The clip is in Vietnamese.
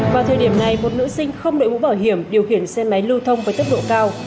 vào thời điểm này một nữ sinh không đợi vũ bảo hiểm điều khiển xe máy lưu thông với tấp độ cao